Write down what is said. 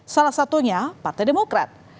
salah satunya partai demokrat